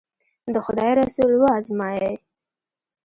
د خدای رسول و ازمایي.